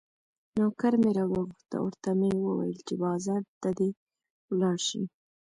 نوکر مې راوغوښت او ورته مې وویل چې بازار ته دې ولاړ شي.